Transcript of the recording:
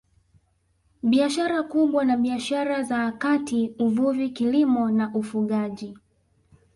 Biashara kubwa na biashara za kati Uvuvi Kilimo na Ufugaji